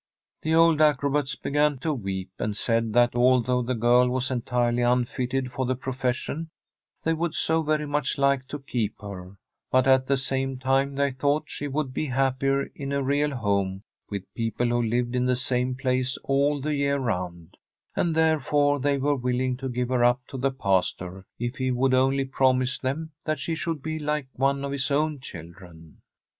The old acrobats began to weep, and said that although the girl was entirely unfitted for the profession, they would so very much like to keep her; but at the same time they thought she would be happier in a real home with people who lived in the same place all the year round, and therefore they were I26] Tbi STORY of a COUNTRY HOUSE willing to give her up to the pastor if he would only promise them that she should be like one of his own children.